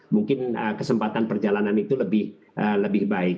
mungkin kesempatan perjalanan itu lebih baik